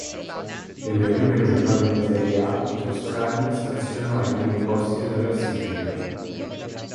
Nelle prime giornate di Serie A i toscani stazionano ai primi posti della classifica.